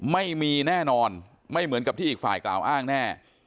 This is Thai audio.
ไม่มีแน่นอนไม่เหมือนกับที่อีกฝ่ายกล่าวอ้างแน่